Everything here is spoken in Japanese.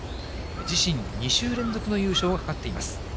自身、２週連続の優勝がかかっています。